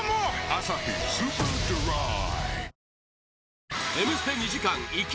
「アサヒスーパードライ」